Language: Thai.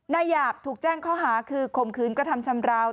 หยาบถูกแจ้งข้อหาคือข่มขืนกระทำชำราว